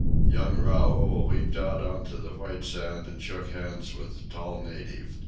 Young Raoul leaped out upon the white sand and shook hands with a tall native.